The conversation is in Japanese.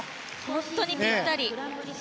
本当にぴったり。